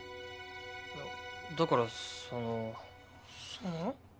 いやだからそのその？